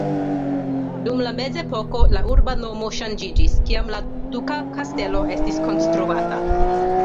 Dum la mezepoko la urba nomo ŝanĝiĝis, kiam la duka kastelo estis konstruata.